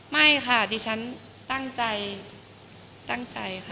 ไม่ค่ะดิฉันตั้งใจตั้งใจค่ะ